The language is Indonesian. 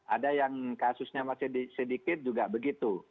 ada yang kasusnya masih sedikit juga begitu